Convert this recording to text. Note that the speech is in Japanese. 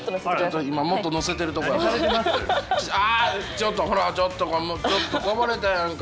ちょっとほらちょっとこぼれたやんか。